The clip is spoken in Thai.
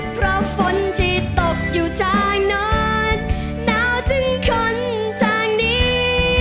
เพราะฝนที่ตกอยู่จากนอนหนาวถึงคนจากนี้